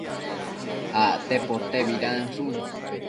acte potebidanshun